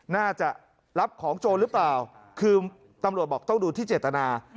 น่าจะรับของโจรหรือเปล่าคือตำรวจบอกต้องดูที่เจตนา